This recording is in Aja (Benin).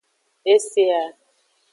E se a.